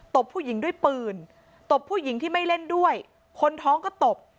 บผู้หญิงด้วยปืนตบผู้หญิงที่ไม่เล่นด้วยคนท้องก็ตบ